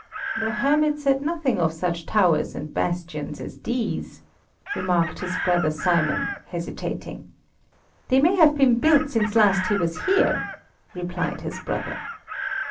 "The hermit said nothing of such towers and bastions as these," remarked his brother Simon, hesitating. "They may have been built since last he was here," replied his brother.